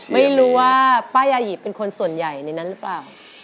ไม่รู้ว่าป้ายาหยิบเป็นคนส่วนใหญ่ในนั้นหรือเปล่า